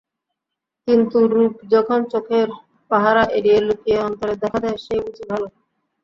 কিন্তু রূপ যখন চোখের পাহারা এড়িয়ে লুকিয়ে অন্তরে দেখা দেয় সেই বুঝি ভালো।